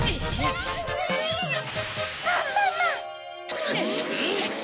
アンパンマン！